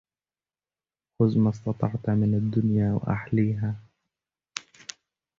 خذ ما استطعت من الدنيا وأحليها